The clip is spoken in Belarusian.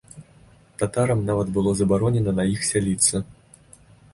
Татарам нават было забаронена на іх сяліцца.